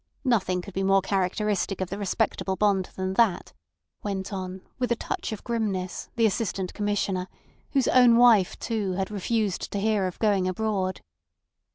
Nothing could be more characteristic of the respectable bond than that," went on, with a touch of grimness, the Assistant Commissioner, whose own wife too had refused to hear of going abroad.